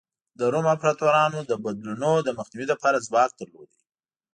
د روم امپراتورانو د بدلونونو د مخنیوي لپاره ځواک درلود.